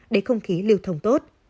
để không khí liêu thông tốt